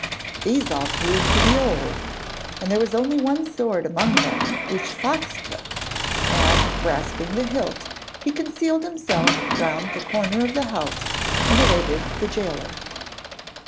These all proved to be old, and there was only one sword among them which Fox took, and, grasping the hilt, he concealed himself round the corner of the house and awaited the gaoler.